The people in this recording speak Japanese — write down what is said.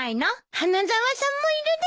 花沢さんもいるですよ。